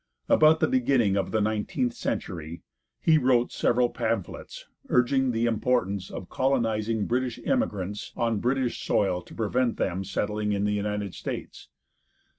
About the beginning of the nineteenth century he wrote several pamphlets, urging the importance of colonizing British emigrants on British soil to prevent them settling in the United States.